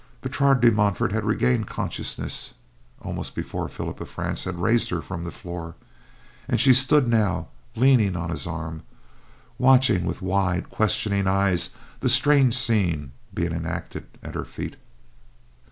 Bertrade de Montfort had regained consciousness almost before Philip of France had raised her from the floor, and she stood now, leaning on his arm, watching with wide, questioning eyes the strange scene being enacted at her feet.